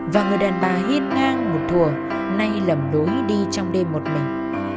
và người đàn bà hiên ngang ngủ thùa nay lầm đối đi trong đêm một mình